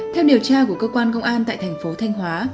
theo điều tra của cơ quan công an tại thành phố thanh hóa